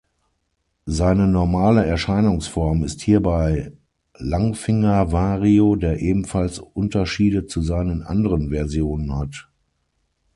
Seine normale Erscheinungsform ist hierbei Langfinger-Wario, der ebenfalls Unterschiede zu seinen anderen Versionen hat.